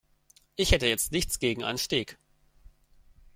Ich hätte jetzt nichts gegen ein Steak.